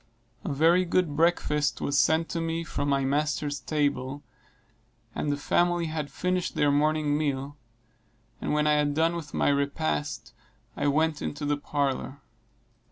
A very good breakfast was sent to me from my master's table, after the family had finished their morning meal; and when I had done with my repast I went into the parlor.